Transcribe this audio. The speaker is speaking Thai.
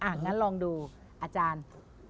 งั้นลองดูอาจารย์